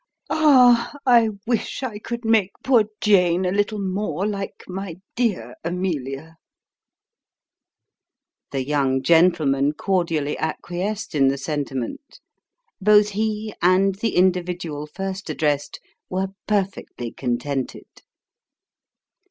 Ah ! (a sigh) I wish I could make poor Jane a little more like my dear Amelia !" The young gentleman cordially acquiesced in the sentiment ; both he, and the individual first addressed, were perfectly contented.